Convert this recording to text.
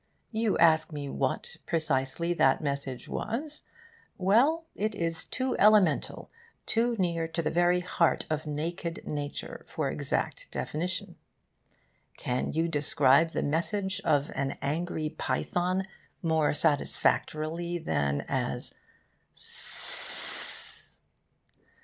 You ask me what, precisely, that message was? Well, it is too elemental, too near to the very heart of naked Nature, for exact definition. Can you describe the message of an angry python more satisfactorily than as S s s s?